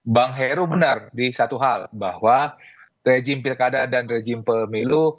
bang heru benar di satu hal bahwa rejim pilkada dan rejim pemilu